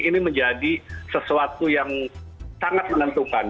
ini menjadi sesuatu yang sangat menentukan